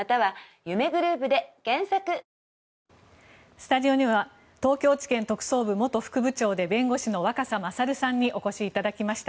スタジオには東京地検特捜部元副部長で弁護士の若狭勝さんにお越しいただきました。